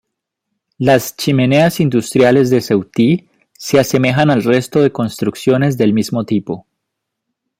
Las chimeneas industriales de Ceutí se asemejan al resto de construcciones del mismo tipo.